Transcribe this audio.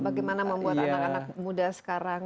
bagaimana membuat anak anak muda sekarang